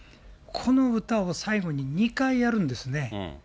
この歌を最後に２回やるんですね。